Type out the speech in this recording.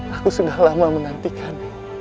aku sudah lama menantikan